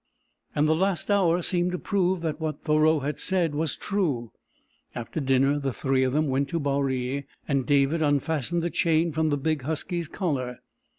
And the last hour seemed to prove that what Thoreau had said was true. After dinner the three of them went to Baree, and David unfastened the chain from the big husky's collar.